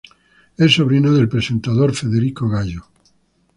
Es sobrino del presentador Federico Gallo.